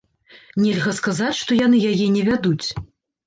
Нельга сказаць, што яны яе не вядуць.